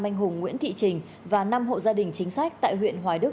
anh hùng nguyễn thị trình và năm hộ gia đình chính sách tại huyện hoài đức hà nội